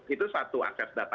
itu satu akses data